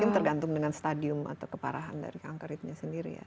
ini kan tergantung dengan stadium atau keparahan dari kanker itu sendiri ya